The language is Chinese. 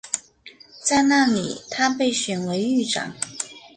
在那里他被选为狱长。